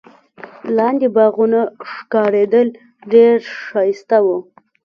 لاندي باغونه ښکارېدل، ډېر ښایسته وو.